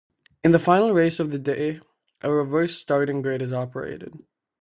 In the final race of the day, a reverse starting grid is operated.